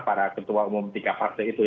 para ketua umum tiga partai itu